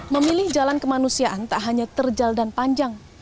memilih jalan kemanusiaan tak hanya terjal dan panjang